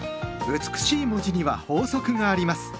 美しい文字には法則があります。